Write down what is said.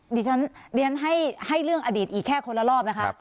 ดิฉันเรียนให้เรื่องอดีตอีกแค่คนละรอบนะคะ